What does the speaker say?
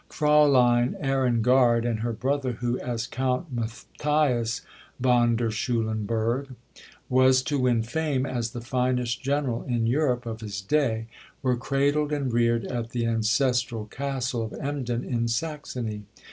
Fräulein Ehrengard and her brother, who, as Count Mathias von der Schulenburg, was to win fame as the finest general in Europe of his day, were cradled and reared at the ancestral castle of Emden, in Saxony.